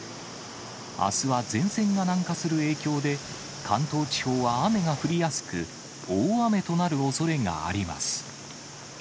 あすは前線が南下する影響で、関東地方は雨が降りやすく、大雨となるおそれがあります。